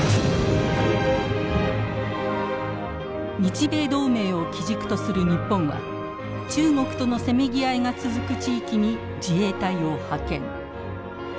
日米同盟を基軸とする日本は中国とのせめぎ合いが続く地域に自衛隊を派遣。